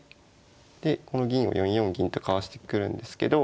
でこの銀を４四銀とかわしてくるんですけど。